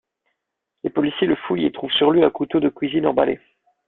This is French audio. Les policiers le fouillent et trouvent sur lui un couteau de cuisine emballé.